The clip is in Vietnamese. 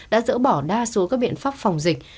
đã dỡ bỏ đa số các biện pháp phòng dịch